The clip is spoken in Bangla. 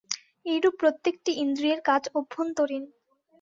এইরূপ প্রত্যেকটি ইন্দ্রিয়ের কাজ অভ্যন্তরীণ।